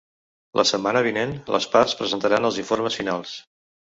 La setmana vinent les parts presentaran els informes finals.